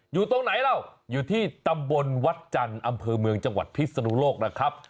อยู่ตรงไหนล่ะอยู่ที่ตำบลวัดจันทร์อำเภอเมืองจังหวัดพิศนุโลกนะครับ